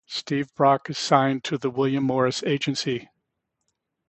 Stevie Brock is signed to the William Morris Agency.